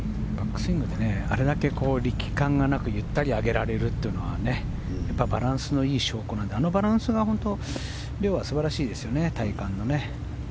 バックスイングであれだけ力感なくゆったり上げられるのはバランスのいい証拠なのであのバランスが遼は素晴らしいですよね。